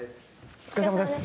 お疲れさまです